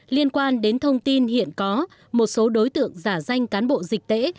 liên quan đến thông tin hiện có một số đối tượng giả danh cán bộ dịch tễ